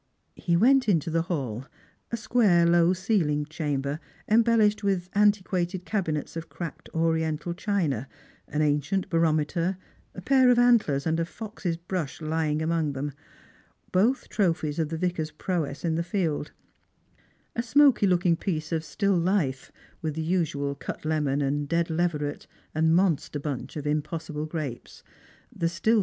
He went into the hall — a square low ceilinged chamber, em bellished with antiquated cabinets of cracked oriental china ; an ancient barometer ; a pair of antlers, with a fox's brush lying across them, both trophies of the Vicar's prowess in the field"; a smoky looking piece of still life, with the usual cut lemon and dead leveret and monster bunch of impossible grapes ; the still 64 Strai^gers and Pilgrims.